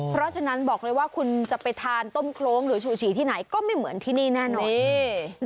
เพราะฉะนั้นบอกเลยว่าคุณจะไปทานต้มโครงหรือชูฉี่ที่ไหนก็ไม่เหมือนที่นี่แน่นอน